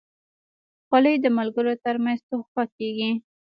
خولۍ د ملګرو ترمنځ تحفه کېږي.